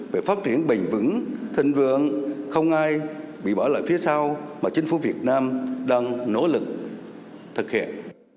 về phát triển bình vững thịnh vượng không ai bị bỏ lại phía sau mà chính phủ việt nam đang nỗ lực thực hiện